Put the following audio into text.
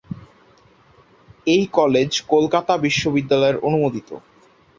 এই কলেজ কলকাতা বিশ্ববিদ্যালয়ের অনুমোদিত।